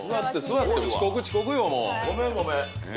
ごめんごめん。